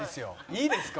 いいですか？